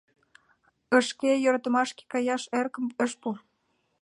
Ышке йӧратымашке каяш эрыкым ыш пу;